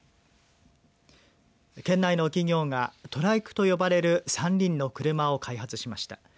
県内の企業がトライクと呼ばれる３輪の車を開発しました。